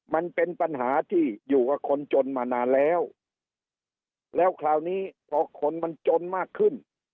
มันเป็นปัญหาที่อยู่กับคนจนมานานแล้วแล้วคราวนี้พอคนมันจนมากขึ้น